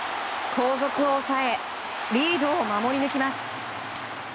後続を抑えリードを守り抜きます。